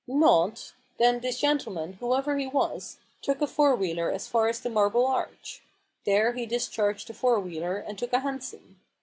"Not? Then this gentleman, whoever he was, took a four wheeler as far as the Marble Arch. There he discharged the four wheeler, and took a hansom.